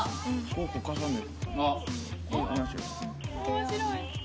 面白い。